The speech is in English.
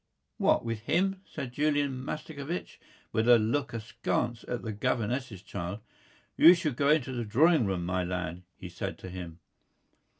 "What, with him?" said Julian Mastakovich with a look askance at the governess's child. "You should go into the drawing room, my lad," he said to him.